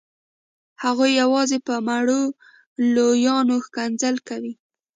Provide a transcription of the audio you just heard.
هغوی یوازې په مړو لویان ښکنځل کوي.